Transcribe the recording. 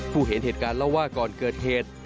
เห็นเหตุการณ์เล่าว่าก่อนเกิดเหตุ